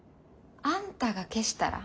あんたが消したら。